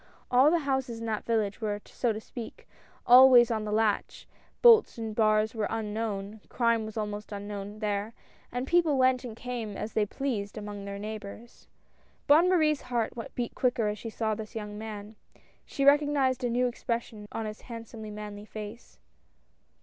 All the houses in that village were, so to speak, always on 202 AT I. A S T . the latch; bolts and bars were unknown; crime was almost unknown there, and people went and came as they pleased among their neighbors. Bonne Marie's heart beat quicker as she saw the young man. She recognized a new expression on his handsome manly face.